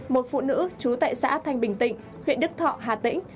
một phụ nữ trú tại xã thanh bình tịnh huyện đức thọ hà tĩnh